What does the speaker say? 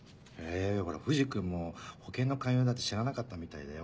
ほら藤君も保険の勧誘だって知らなかったみたいだよ。